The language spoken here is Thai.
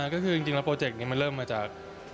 ก็คือจริงแล้วโปรเจกต์นี้มันเริ่มมาจาก